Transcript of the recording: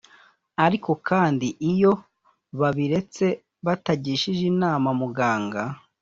ariko kandi iyo babiretse batagishije inama muganga